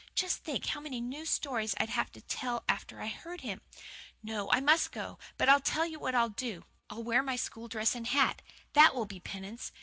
Just think how many new stories I'd have to tell after I'd heard him! No, I must go, but I'll tell you what I'll do. I'll wear my school dress and hat. THAT will be penance.